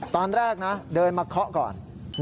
ตอนแรกนะเดินมาเคาะก่อน